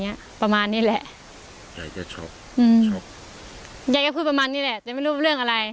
ยายก็พูดประมาณนี้แหละแต่ไม่รู้เรื่องอะไร